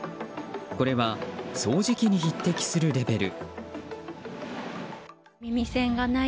これは掃除機に匹敵するレベル。